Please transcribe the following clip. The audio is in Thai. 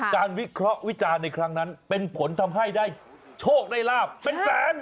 วิเคราะห์วิจารณ์ในครั้งนั้นเป็นผลทำให้ได้โชคได้ลาบเป็นแสน